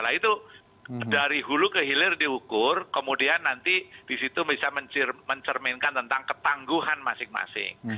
nah itu dari hulu ke hilir diukur kemudian nanti disitu bisa mencerminkan tentang ketangguhan masing masing